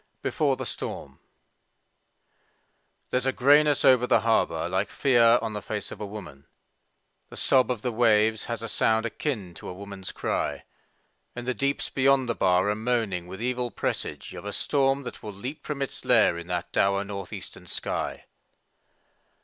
17 BEFORE STORM There's a grayness over the harbor Hke fear on the face of a woman, The sob of the waves has a sound akin to a woman's cry, And the deeps beyond the bar are moaning with evil presage Of a storm that will leap from its lair in that dour north eastern sky.